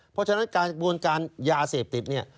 เพราะฉะนั้นการกระบวนการยาเสพติดเนี่ย